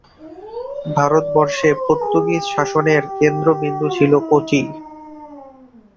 ভারতবর্ষে পর্তুগীজ শাসনের কেন্দ্র বিন্দু ছিল কোচি।